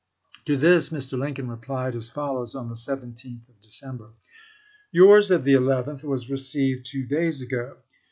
.." To this Mr. Lincoln replied as follows on the 17th of December: Yours of the 11th was received two days ago.